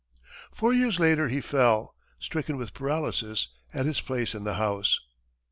Four years later he fell, stricken with paralysis, at his place in the House.